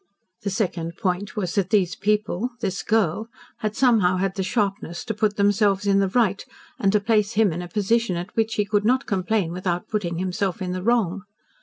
The second point was that these people this girl had somehow had the sharpness to put themselves in the right, and to place him in a position at which he could not complain without putting himself in the wrong.